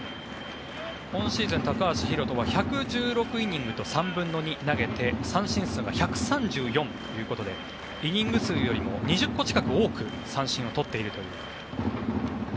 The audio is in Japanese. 今シーズン、高橋宏斗が１６２イニングと三振数が１３４ということでイニング数よりも２０個近く多く三振を取っているという。